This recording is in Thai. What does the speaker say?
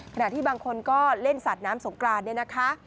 ขณะที่บางคนก็เล่นสัตว์น้ำสงกราน